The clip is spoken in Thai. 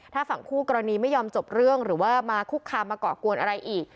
ถ้าฝั่งคู่กรณีไม่ยอมจบเรื่องหรือว่ามาคุกคามมาเกาะกวนอะไรอีก